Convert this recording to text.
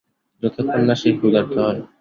যতক্ষণ না সে ক্ষুধার্ত হয়।